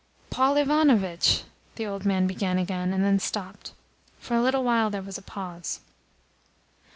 "Paul Ivanovitch," the old man began again, and then stopped. For a little while there was a pause.